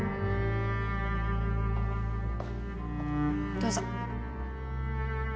どうぞ。